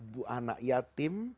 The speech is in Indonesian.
bu anak yatim